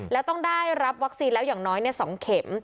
แล้วต้องได้รับวัคซีนแล้วอย่างน้อย๒เข็ม